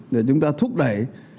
để chúng ta thúc đẩy